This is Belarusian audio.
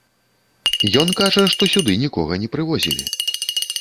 Ён кажа, што сюды нікога не прывозілі.